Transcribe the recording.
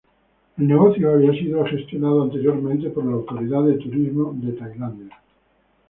El negocio había sido gestionado anteriormente por la Autoridad de Turismo de Tailandia.